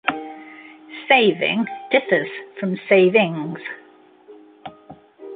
"Saving" differs from "savings".